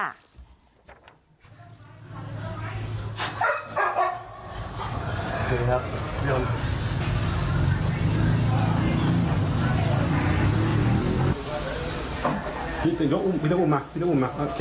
คุณผู้ชมเดี๋ยวอยากให้ดูบรรยากาศที่เจ้าหน้าที่จะไปจับหมาจรจัดด้วยการยิงยาสลบค่ะ